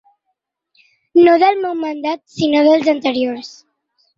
No del meu mandat, sinó dels anteriors.